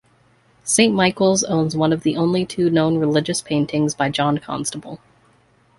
Saint Michael's owns one of only two known religious paintings by John Constable.